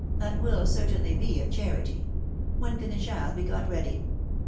that will certainly be a charity. When can the child be got ready?